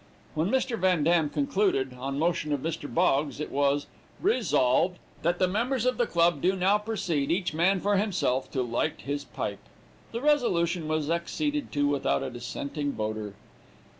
When Mr. Van Dam concluded, on motion of Mr. Boggs it was Resolved, that the members of the club do now proceed, each man for himself, to light his pipe. The resolution was acceded to without a dissenting voter.